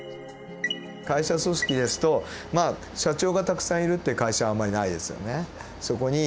会社組織ですとまあ社長がたくさんいるっていう会社はあまりないですよね。